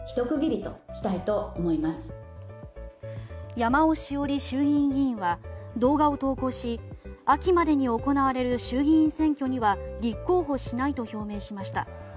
山尾志桜里衆議院議員は動画を投稿し秋までに行われる衆議院選挙には立候補しないと表明しました。